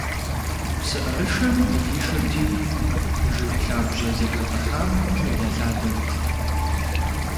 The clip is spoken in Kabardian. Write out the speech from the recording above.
ПсыӀэрышэм къыхишырти, жыг лъабжьэ зэхэтӀыхьам щӀигъэлъадэрт.